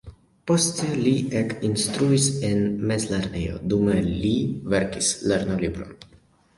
Poste li ekinstruis en mezlernejo, dume li verkis lernolibron.